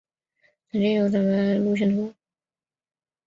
参见右侧站牌路线图。